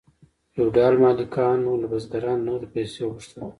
فیوډال مالکانو له بزګرانو نغدې پیسې غوښتلې.